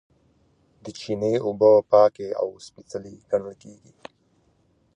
د چینې اوبه پاکې او سپیڅلې ګڼل کیږي.